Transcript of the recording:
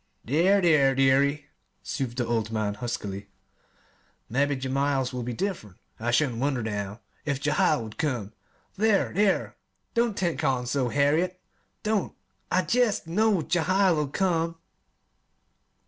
"There, there, dearie," soothed the old man huskily; "mebbe Jehiel's will be diff'rent. I shouldn't wonder, now, if Jehiel would come. There, there! don't take on so, Harriet! don't! I jest know Jehiel'll come."